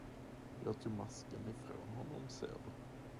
Jag tog masken ifrån honom ser du.